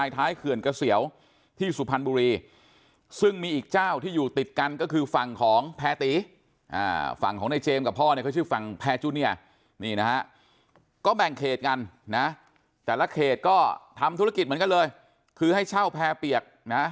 ธุรกิจเหมือนกันเลยพ่อเข้าไปเบียบนะ